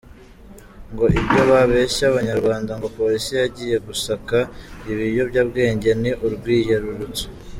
Ngo ibyo babeshya abanyarwanda ngo polisi yagiye gusaka ibiyobyabwenge ni urwiyerurutso.